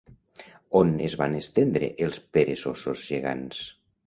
On es van estendre els peresosos gegants?